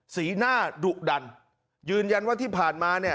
สีหน้าดุดันยืนยันว่าที่ผ่านมาเนี่ย